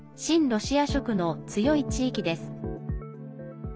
ロシア色の強い地域です。